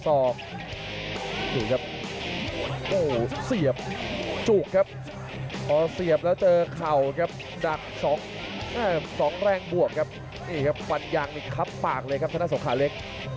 ดูครับโอ้โหเสียบจุกครับพอเสียบแล้วเจอเข่าครับดักสองแรงบวกครับนี่ครับฟันยางนี่ครับปากเลยครับธนสงขาเล็ก